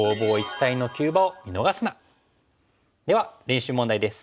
では練習問題です。